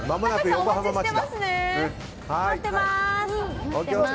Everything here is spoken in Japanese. お待ちしてますね。